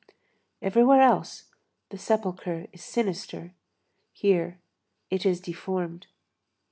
Everywhere else the sepulchre is sinister; here it is deformed.